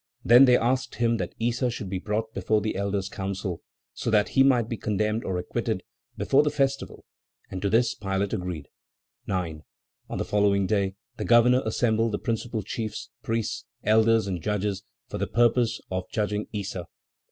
Then they asked him that Issa should be brought before the elders' council, so that he might be condemned, or acquitted, before the festival, and to this Pilate agreed. 9. On the following day the governor assembled the principal chiefs, priests, elders and judges, for the purpose of judging Issa.